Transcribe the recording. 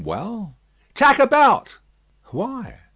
"Well." "Tack about!" "Why?"